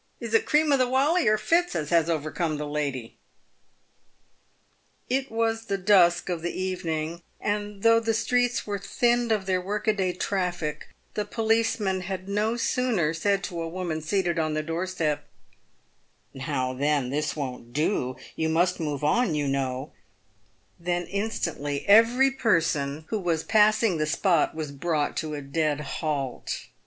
" Is it cream o' the walley or fits as has overcome the lady ?" It was the dusk of the evening, and though the streets were thinned of their work a day traffic, the policeman had no sooner said to a woman seated on the door step, " Now then, this won't do ; you B 2 PAYED WITH GOLD. must move on, you know," than instantly every person who was pass ing the spot was brought to a dead halt.